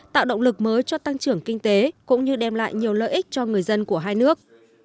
tạo động lực mới cho tăng trưởng kinh tế cũng như đem lại nhiều lợi ích cho người dân của hai nước